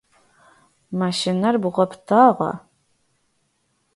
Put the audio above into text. Машинэр бгъапытагъа?